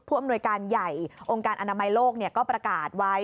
อำนวยการใหญ่องค์การอนามัยโลกก็ประกาศไว้